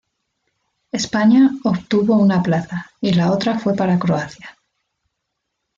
España obtuvo una plaza y la otra fue para Croacia.